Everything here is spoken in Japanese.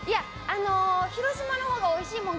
広島のほうがおいしいもの